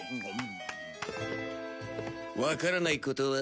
わからないことは。